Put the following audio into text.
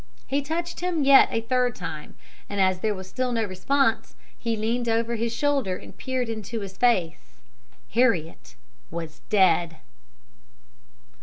He touched him yet a third time, and as there was still no response, he leaned over his shoulder and peered into his face. "Heriot was dead!"